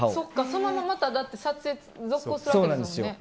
そのまま撮影続行するわけですもんね。